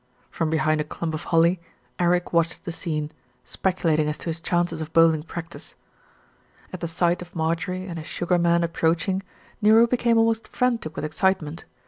From behind a clump of holly, Eric watched the scene, speculating as to his chances of bowling practice. At the sight of Marjorie and his Sugar Man ap proaching, Nero became almost frantic with excite ment.